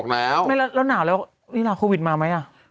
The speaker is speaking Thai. แล้วหนาวแล้วโควิดมาไหม